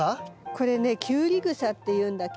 これねキュウリグサっていうんだけど。